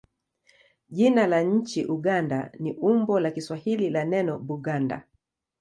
Jina la nchi Uganda ni umbo la Kiswahili la neno Buganda.